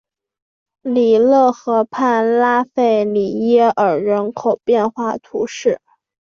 里勒河畔拉费里耶尔人口变化图示